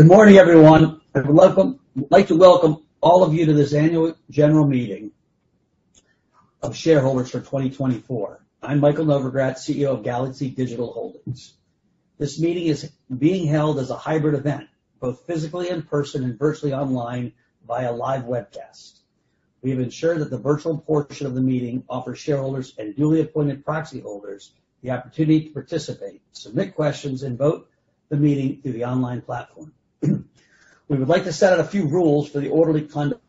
Good morning, everyone, and welcome. We'd like to welcome all of you to this annual general meeting of shareholders for 2024. I'm Michael Novogratz, CEO of Galaxy Digital Holdings. This meeting is being held as a hybrid event, both physically in person and virtually online via live webcast. We have ensured that the virtual portion of the meeting offers shareholders and duly appointed proxy holders the opportunity to participate, submit questions, and vote the meeting through the online platform. We would like to set out a few rules for the orderly conduct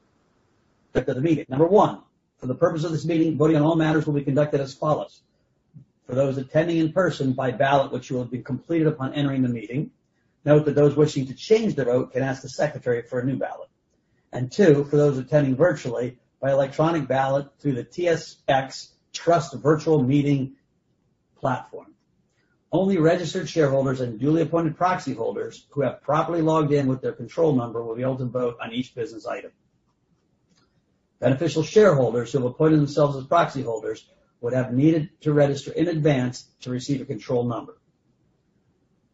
of the meeting. Number one, for the purpose of this meeting, voting on all matters will be conducted as follows: For those attending in person, by ballot, which will have been completed upon entering the meeting. Note that those wishing to change their vote can ask the secretary for a new ballot. And two, for those attending virtually, by electronic ballot through the TSX Trust Virtual Meeting platform. Only registered shareholders and duly appointed proxy holders who have properly logged in with their control number will be able to vote on each business item. Beneficial shareholders who have appointed themselves as proxy holders would have needed to register in advance to receive a control number.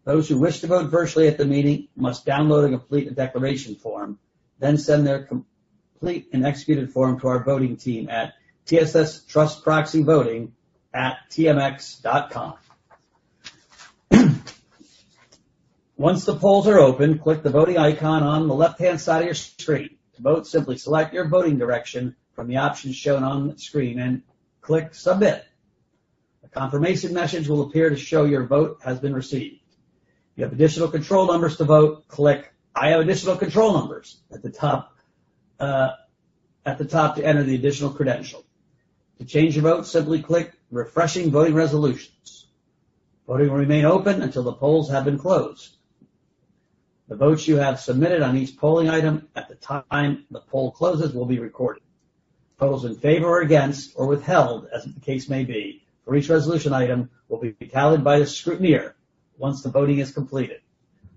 Those who wish to vote virtually at the meeting must download and complete a declaration form, then send their complete and executed form to our voting team at tsxtrustproxyvoting@tmx.com. Once the polls are open, click the Voting icon on the left-hand side of your screen. To vote, simply select your voting direction from the options shown on the screen and click Submit. A confirmation message will appear to show your vote has been received. If you have additional control numbers to vote, click I Have Additional Control Numbers at the top, at the top to enter the additional credential. To change your vote, simply click Refreshing Voting Resolutions. Voting will remain open until the polls have been closed. The votes you have submitted on each polling item at the time the poll closes will be recorded. Votes in favor or against, or withheld, as the case may be, for each resolution item will be tallied by the scrutineer once the voting is completed.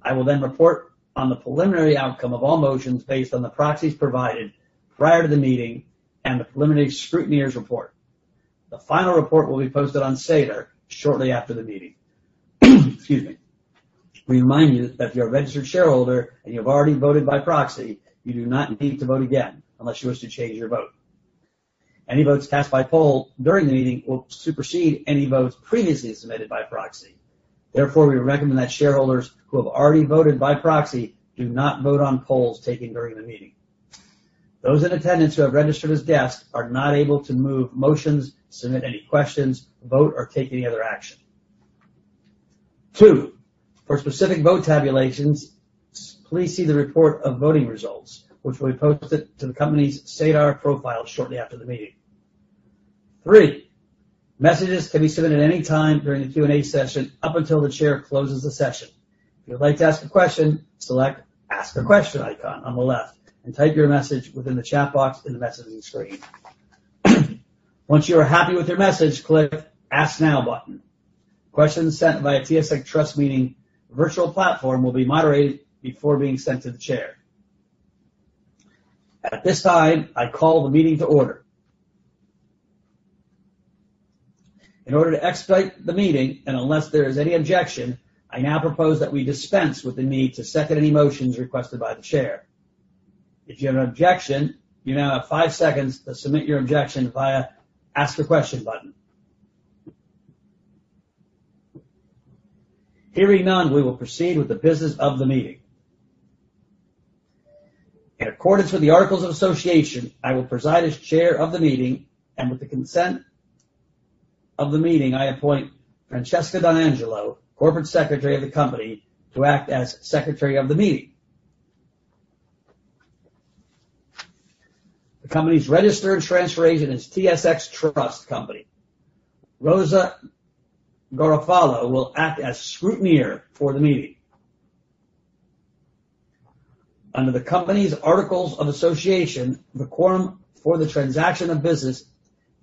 I will then report on the preliminary outcome of all motions based on the proxies provided prior to the meeting and the preliminary scrutineer's report. The final report will be posted on SEDAR shortly after the meeting. Excuse me. We remind you that if you're a registered shareholder and you've already voted by proxy, you do not need to vote again unless you wish to change your vote. Any votes cast by poll during the meeting will supersede any votes previously submitted by proxy. Therefore, we recommend that shareholders who have already voted by proxy do not vote on polls taken during the meeting. Those in attendance who have registered as guests are not able to move motions, submit any questions, vote, or take any other action. Two, for specific vote tabulations, please see the report of voting results, which will be posted to the company's SEDAR profile shortly after the meeting. Three, messages can be submitted at any time during the Q&A session, up until the chair closes the session. If you'd like to ask a question, select Ask a Question icon on the left and type your message within the chat box in the messaging screen. Once you are happy with your message, click Ask Now button. Questions sent via TSX Trust Meeting Virtual platform will be moderated before being sent to the chair. At this time, I call the meeting to order. In order to expedite the meeting, and unless there is any objection, I now propose that we dispense with the need to second any motions requested by the chair. If you have an objection, you now have five seconds to submit your objection via Ask a Question button. Hearing none, we will proceed with the business of the meeting. In accordance with the Articles of Association, I will preside as chair of the meeting, and with the consent of the meeting, I appoint Francesca D'Angelo, corporate secretary of the company, to act as secretary of the meeting. The company's registered transfer agent is TSX Trust Company. Rosa Garofalo will act as scrutineer for the meeting. Under the company's Articles of Association, the quorum for the transaction of business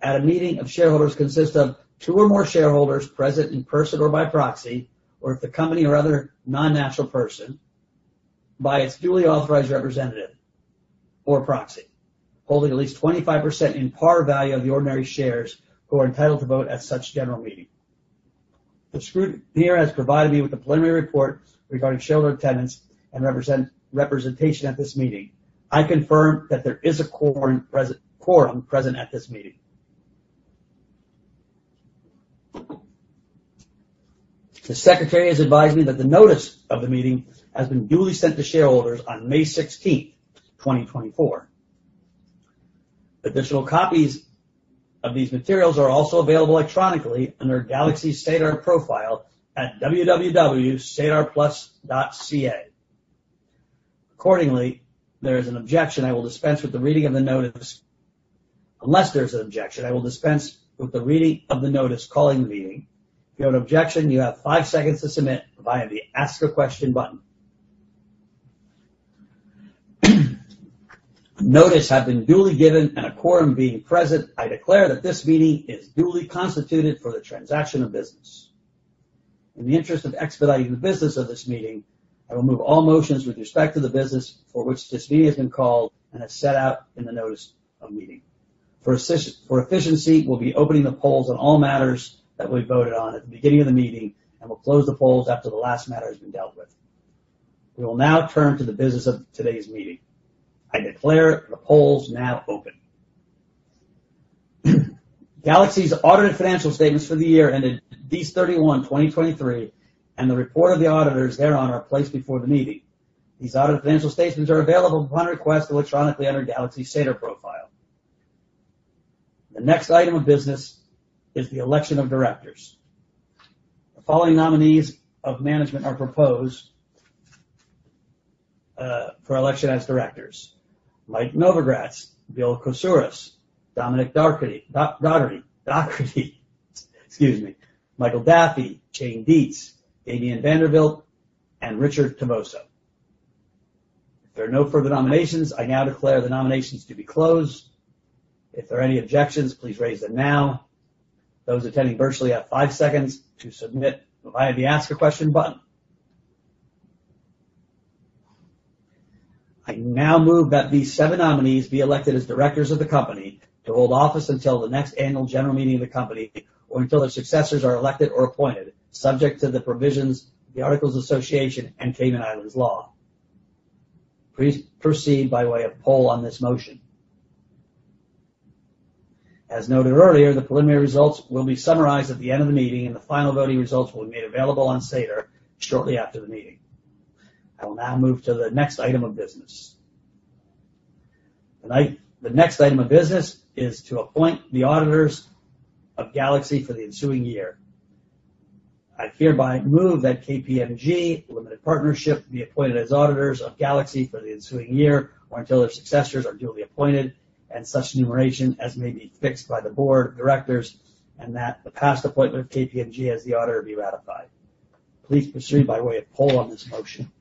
at a meeting of shareholders consists of two or more shareholders present in person or by proxy, or if the company or other non-natural person, by its duly authorized representative or proxy, holding at least 25% in par value of the ordinary shares, who are entitled to vote at such general meeting. The scrutineer has provided me with a preliminary report regarding shareholder attendance and representation at this meeting. I confirm that there is a quorum present, quorum present at this meeting. The secretary has advised me that the notice of the meeting has been duly sent to shareholders on May 16, 2024. Additional copies of these materials are also available electronically under Galaxy's SEDAR profile at www.sedarplus.ca. Accordingly, there is an objection I will dispense with the reading of the notice. Unless there's an objection, I will dispense with the reading of the notice calling the meeting. If you have an objection, you have five seconds to submit via the Ask a Question button. Notice have been duly given, and a quorum being present, I declare that this meeting is duly constituted for the transaction of business. In the interest of expediting the business of this meeting, I will move all motions with respect to the business for which this meeting has been called and as set out in the notice of meeting. For efficiency, we'll be opening the polls on all matters that we voted on at the beginning of the meeting, and we'll close the polls after the last matter has been dealt with. We will now turn to the business of today's meeting. I declare the polls now open. Galaxy's audited financial statements for the year ended December 31, 2023, and the report of the auditors thereon are placed before the meeting. These audited financial statements are available upon request electronically under Galaxy's SEDAR profile. The next item of business is the election of directors. The following nominees of management are proposed for election as directors: Mike Novogratz, Bill Koutsouras, Dominic Docherty, excuse me, Michael Daffey, Jane Dietze, Damien Vanderwilt, and Richard Tavoso. If there are no further nominations, I now declare the nominations to be closed. If there are any objections, please raise them now. Those attending virtually have five seconds to submit via the Ask a Question button. I now move that these seven nominees be elected as directors of the company to hold office until the next annual general meeting of the company, or until their successors are elected or appointed, subject to the provisions of the Articles of Association and Cayman Islands law. Please proceed by way of poll on this motion. As noted earlier, the preliminary results will be summarized at the end of the meeting, and the final voting results will be made available on SEDAR shortly after the meeting. I will now move to the next item of business. The next item of business is to appoint the auditors of Galaxy for the ensuing year. I hereby move that KPMG Limited Liability Partnership be appointed as auditors of Galaxy for the ensuing year, or until their successors are duly appointed, and such remuneration as may be fixed by the board of directors, and that the past appointment of KPMG as the auditor be ratified. Please proceed by way of poll on this motion.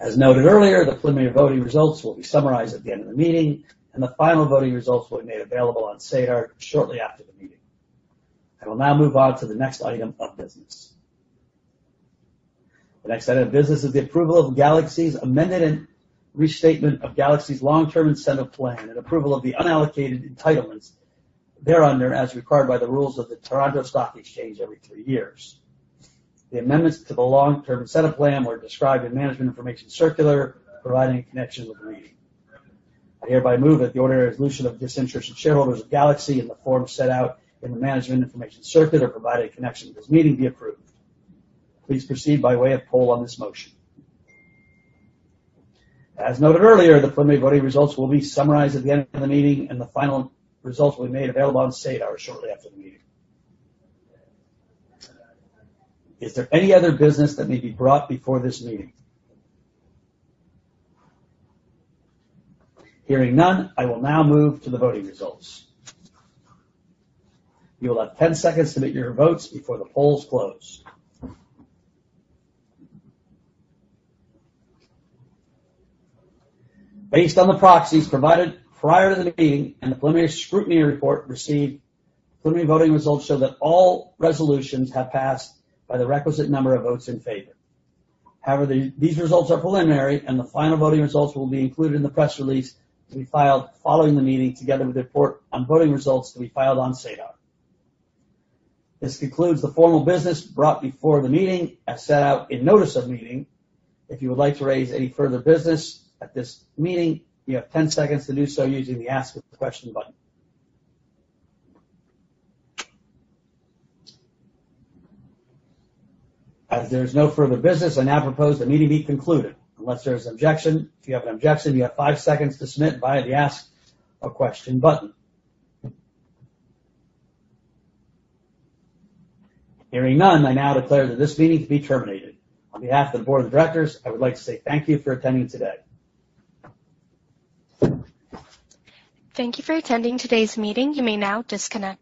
As noted earlier, the preliminary voting results will be summarized at the end of the meeting, and the final voting results will be made available on SEDAR shortly after the meeting. I will now move on to the next item of business. The next item of business is the approval of Galaxy's amended and restated Long-Term Incentive Plan and approval of the unallocated entitlements thereon, as required by the rules of the Toronto Stock Exchange every three years. The amendments to the Long-Term Incentive Plan were described in the Management Information Circular provided in connection with the meeting. I hereby move that the ordinary resolution of disinterested shareholders of Galaxy in the form set out in the Management Information Circular provided in connection with this meeting be approved. Please proceed by way of poll on this motion. As noted earlier, the preliminary voting results will be summarized at the end of the meeting, and the final results will be made available on SEDAR shortly after the meeting. Is there any other business that may be brought before this meeting? Hearing none, I will now move to the voting results. You will have 10 seconds to submit your votes before the polls close. Based on the proxies provided prior to the meeting and the preliminary scrutiny report received, preliminary voting results show that all resolutions have passed by the requisite number of votes in favor. However, these results are preliminary, and the final voting results will be included in the press release to be filed following the meeting, together with the report on voting results to be filed on SEDAR. This concludes the formal business brought before the meeting, as set out in notice of meeting. If you would like to raise any further business at this meeting, you have 10 seconds to do so using the Ask a Question button. As there is no further business, I now propose the meeting be concluded, unless there is objection. If you have an objection, you have five seconds to submit via the Ask a Question button. Hearing none, I now declare that this meeting to be terminated. On behalf of the board of directors, I would like to say thank you for attending today. Thank you for attending today's meeting. You may now disconnect.